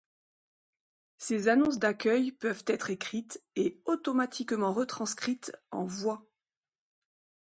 Ces annonces d'accueils peuvent être écrites et automatiquement retranscrites en voix.